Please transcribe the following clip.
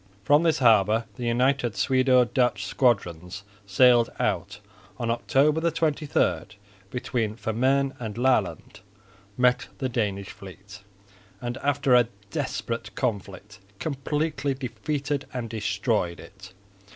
From this harbour the united Swedo Dutch squadrons sailed out and on October 23, between Femern and Laaland, met the Danish fleet, and after a desperate conflict completely defeated and destroyed it.